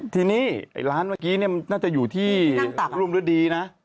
ที่นี่ร้านเมื่อกี้น่าจะอยู่ที่รุ่มฤดีนะ